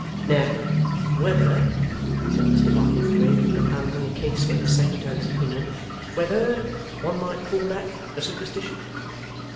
'Now, whether,' said Mr Boffin, gravely propounding a case for his Secretary's opinion; 'whether one might call that a superstition?